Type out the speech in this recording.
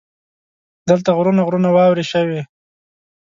دلته غرونه غرونه واورې شوي.